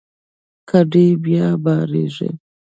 کډې بیا بارېږي.